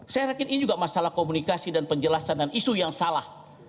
saya yakin ini juga masalah komunikasi dan penjelasan dan isu yang salah